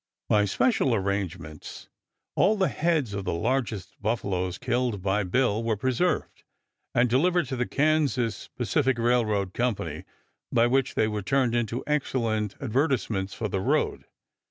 ] By special arrangements all the heads of the largest buffaloes killed by Bill were preserved and delivered to the Kansas Pacific Railroad Company, by which they were turned into excellent advertisements for the road.